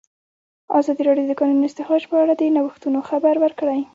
ازادي راډیو د د کانونو استخراج په اړه د نوښتونو خبر ورکړی.